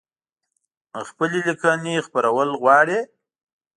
خپلي لیکنۍ خپرول غواړی؟